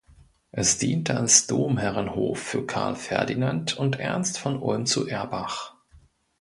Es diente als Domherrenhof für Karl Ferdinand und Ernst von Ulm zu Erbach.